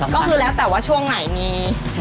ก็คือแล้วแต่ว่าช่วงไหนมี